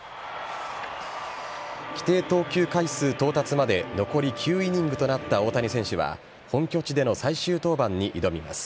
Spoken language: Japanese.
規定投球回数到達まで残り９イニングとなった大谷選手は本拠地での最終登板に挑みます。